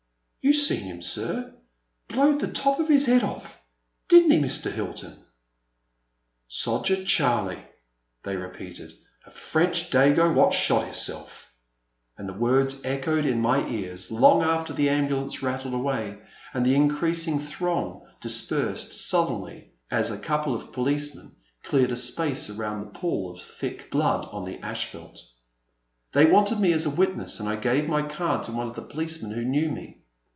You seen him, sir, — ^blowed the top of his head off, did n*t he, Mr. Hilton ?'* "Soger Charlie,'* they repeated, "a French dago what shot his self; *' and the words echoed in my ears long after the ambulance rattled away, and the increasing throng dispersed, sullenly, as A Pleasant Evening. 333 a couple of policemen cleared a space around the pool of thick blood on the asphalt. They wanted me as a witness, and I gave my card to one of the policemen who knew me.